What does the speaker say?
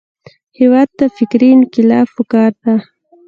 هېواد ته فکري انقلاب پکار دی